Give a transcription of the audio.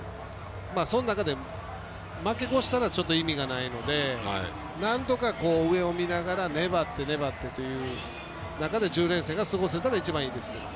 その中で負け越したら意味がないのでなんとか上を見ながら粘って、粘ってという中で１０連戦が過ごせたら一番いいですけどね。